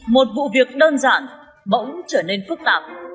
một vụ việc đơn giản bỗng trở nên phức tạp